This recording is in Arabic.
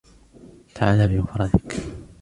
تعالَ بمفردك.